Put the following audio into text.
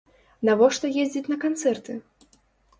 Навошта ездзіць на канцэрты?